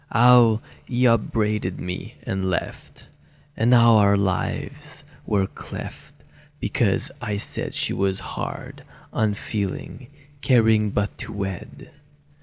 How he upbraided me, and left, And our lives were cleft, because I said She was hard, unfeeling, caring but to wed.